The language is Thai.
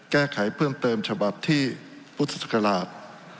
แก้ไขเพิ่มเติมฉบับที่พุทธศักราช